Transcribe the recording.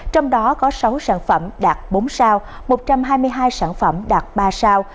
trong đó có sáu sản phẩm đạt bốn sao một trăm hai mươi hai sản phẩm đạt ba sao